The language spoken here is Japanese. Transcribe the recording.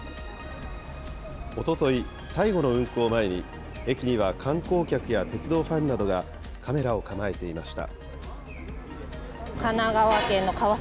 おととい、最後の運行を前に、駅には観光客や鉄道ファンなどがカメラを構えていました。